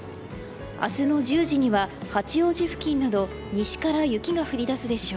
明日の１０時には八王子付近など西から雪が降り出すでしょう。